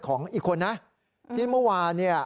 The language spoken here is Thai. อีกคนนะที่เมื่อวานเนี่ย